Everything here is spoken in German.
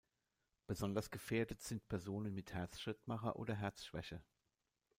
Besonders gefährdet sind Personen mit Herzschrittmacher oder Herzschwäche.